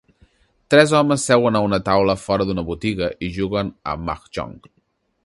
Tres homes seuen a una taula fora d'una botiga i juguen a Mahjong.